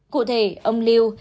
cụ thể ông liu